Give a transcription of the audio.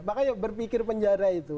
makanya berpikir penjara itu